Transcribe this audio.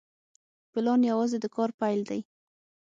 پلان یوازې د کار پیل دی.